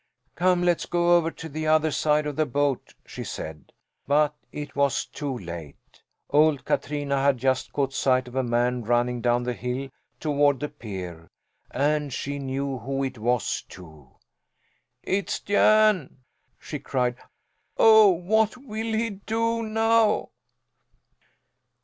"Come, let's go over to the other side of the boat," she said. But it was too late. Old Katrina had just caught sight of a man running down the hill toward the pier. And she knew who it was, too! "It's Jan!" she cried. "Oh, what will he do now!"